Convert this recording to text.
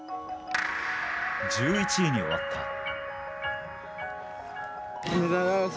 １１位に終わった。